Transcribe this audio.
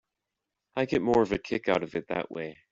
I get more of a kick out of it that way.